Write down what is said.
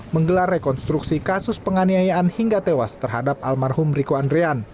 menggelar rekonstruksi kasus penganiayaan hingga tewas terhadap almarhum riko andrean